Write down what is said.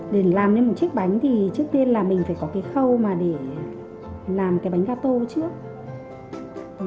để làm nên một chiếc bánh thì trước tiên là mình phải có cái khâu mà để làm cái bánh gà tô trước